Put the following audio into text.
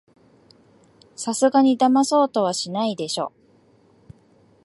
さすがにだまそうとはしないでしょ